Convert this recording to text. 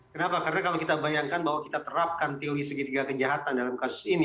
kenapa karena kalau kita bayangkan bahwa kita terapkan teori segitiga kejahatan dalam kasus ini